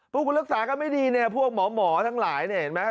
พวกคุณรักษากันไม่ดีเนี่ยพวกหมอทั้งหลายเนี่ยเห็นไหม